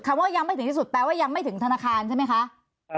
ว่ายังไม่ถึงที่สุดแปลว่ายังไม่ถึงธนาคารใช่ไหมคะ